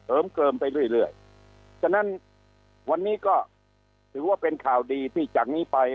เกลิมไปเรื่อยเรื่อยฉะนั้นวันนี้ก็ถือว่าเป็นข่าวดีที่จากนี้ไป